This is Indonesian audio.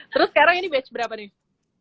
terus sekarang ini batch berapa nih